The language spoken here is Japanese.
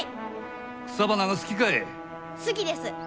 好きです。